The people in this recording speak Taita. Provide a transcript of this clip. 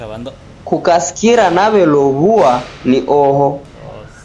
Kukasikira naw'elow'ua, noho.